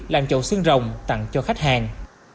làm chậu xương rồng tặng cho khách hàng